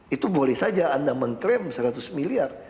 itu boleh saja anda mengklaim seratus miliar